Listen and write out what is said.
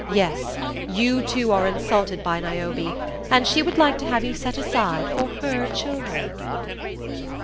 Yes, you too are insulted by Niobe, and she would like to have you set aside for her children!"